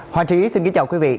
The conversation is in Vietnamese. hòa trí xin kính chào quý vị